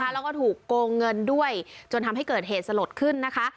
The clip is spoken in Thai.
แล้วก็ถูกโกงเงินด้วยจนทำให้เกิดเหตุสลดขึ้นนะคะ